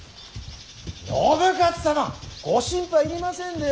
信雄様ご心配いりませんでよ。